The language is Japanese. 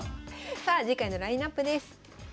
さあ次回のラインナップです。